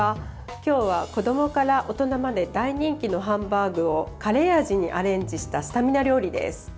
今日は、子どもから大人まで大人気のハンバーグをカレー味にアレンジしたスタミナ料理です。